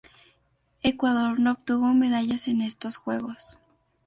Ecuador no obtuvo medallas en estos juegos.